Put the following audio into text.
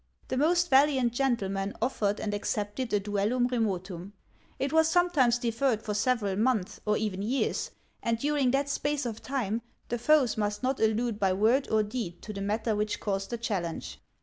The most valiant gentlemen offered and accepted a ducllum rcmotum. It was sometimes deferred for several mouths, or even years, and during that space of time the foes must not allude by word or deed to the matter which caused the challenge.